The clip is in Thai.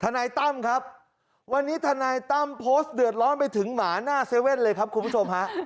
นายตั้มครับวันนี้ทนายตั้มโพสต์เดือดร้อนไปถึงหมาหน้าเว่นเลยครับคุณผู้ชมฮะ